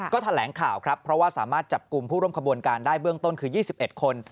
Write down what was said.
ก็แถลงข่าวครับเพราะว่าสามารถจับกลุ่มผู้ร่วมขบวนการได้เบื้องต้นคือ๒๑คน